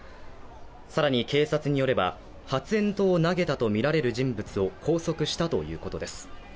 さらに警察によれば、発煙筒を投げたとみられる人物を拘束したということです。